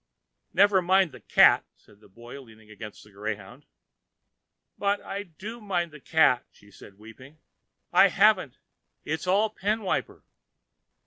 "Never mind the Cat," said the Boy leaning against a greyhound. "But I do mind the Cat," said she, weeping. "I haven't. It's all pen wiper."